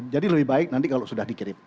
jadi lebih baik nanti kalau sudah dikirim